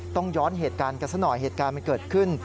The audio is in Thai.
ต้องย้อนเหตุการณ์กันสักหน่อยเหตุการณ์มันเกิดขึ้น